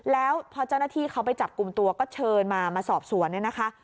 แล้วพอเจ้าหน้าที่เขาไปจับกลุ่มตัวก็เชิญมามาสอบสวนเนี่ยนะคะ